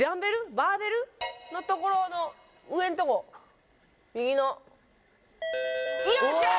バーベル？のところの上んとこ右のおっすごい！